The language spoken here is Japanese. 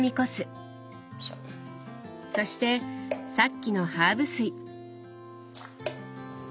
そしてさっきのハーブ水。